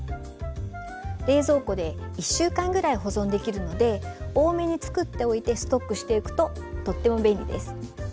冷蔵庫で１週間ぐらい保存できるので多めにつくっておいてストックしていくととっても便利です。